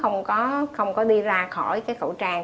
nó không có đi ra khỏi cái khẩu trang